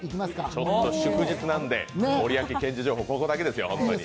ちょっと祝日なんで森脇健児情報、ここだけですよ。